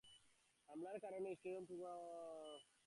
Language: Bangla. হামলার কারণে স্টেশনটি পুরোপুরি অকার্যকর হয়ে পড়েছে বলেও তিনি দাবি করেন।